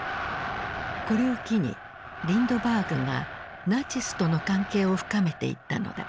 これを機にリンドバーグがナチスとの関係を深めていったのだ。